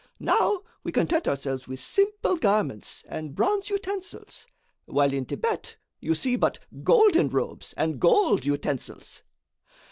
Now we content ourselves with simple garments and bronze utensils, while in Thibet you see but golden robes and gold utensils."